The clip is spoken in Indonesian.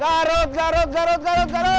garut garut garut